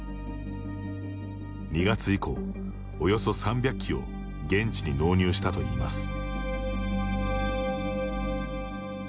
２月以降、およそ３００機を現地に納入したといいます。